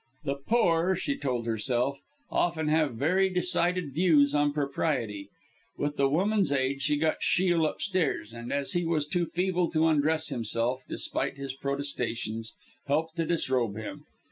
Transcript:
The poor, she told herself, often have very decided views on propriety. With the woman's aid she got Shiel upstairs, and, as he was too feeble to undress himself, despite his protestations, helped to disrobe him.